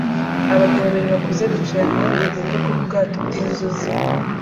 Abagabo babiri bakuze bicaye hamwe murugendo rwubwato bwinzuzi